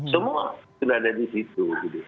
semua sudah ada di situ